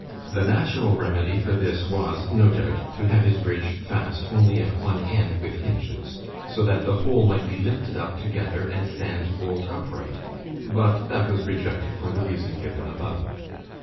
The natural remedy for this was, no doubt, to have his bridge fast only at one end with hinges, so that the whole might be lifted up together, and stand bolt upright——but that was rejected for the reason given above.